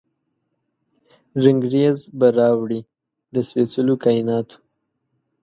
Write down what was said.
رنګریز به راوړي، د سپیڅلو کائیناتو،